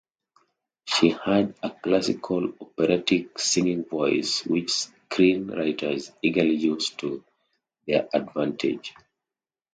She had a classical operatic singing voice which screenwriters eagerly used to their advantage.